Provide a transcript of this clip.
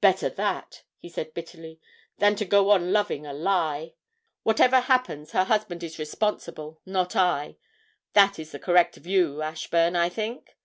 'Better that,' he said bitterly, 'than to go on loving a lie! Whatever happens her husband is responsible, not I. That is the correct view, Ashburn, I think?'